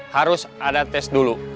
harus ada tes dulu